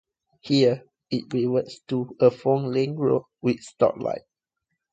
Here, it reverts to a four-lane road with stoplights.